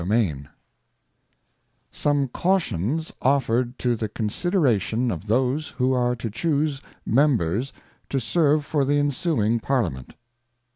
Some 142 Some Cautions offered to the Conside ration of those "who are to chuse Members to serve for the Ensuing Parliament.